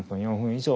以上